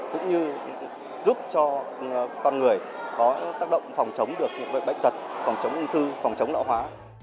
cũng như giúp cho con người có tác động phòng chống được những bệnh tật phòng chống ung thư phòng chống lão hóa